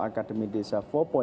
akademi desa empat